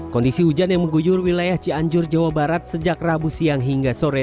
kondisi hujan yang mengguyur wilayah cianjur jawa barat sejak rabu siang hingga sore